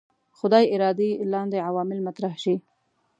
خدای ارادې لاندې عوامل مطرح شي.